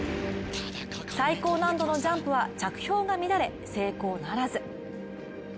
最高難度のジャンプは着氷が乱れ成功ならず。